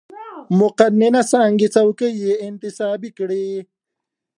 مقننه څانګې څوکۍ یې انتصابي کړې.